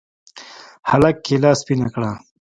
هلك کېله سپينه کړه.